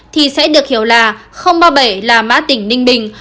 thì sẽ được hiểu là ba mươi bảy là mã tỉnh ninh bình